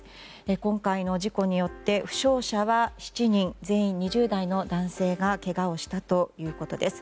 今回の事故によって負傷者は７人全員、２０代の男性がけがをしたということです。